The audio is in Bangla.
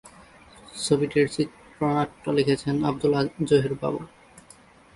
ছবিটির চিত্রনাট্য লিখেছেন আব্দুল্লাহ জহির বাবু।